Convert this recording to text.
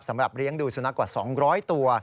เลี้ยงดูสุนัขกว่า๒๐๐ตัว